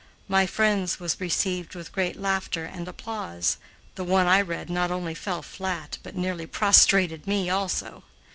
My friend's was received with great laughter and applause. The one I read not only fell flat, but nearly prostrated me also.